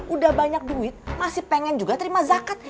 udah banyak duit masih pengen juga terima zakat